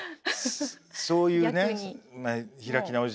あっそういうね。